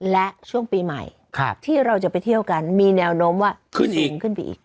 และช่วงปีใหม่ที่เราจะไปเที่ยวกันมีแนวโน้มว่าขึ้นสูงขึ้นไปอีก